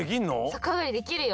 さかあがりできるよ。